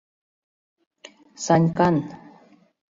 Санькан.